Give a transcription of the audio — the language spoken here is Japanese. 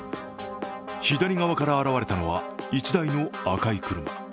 左側から現れたのは１台の赤い車。